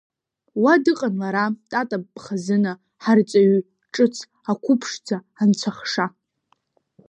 Уа дыҟан лара, Тата хазына, ҳарҵаҩ ҿыц, ақәыԥшӡа, анцәахша.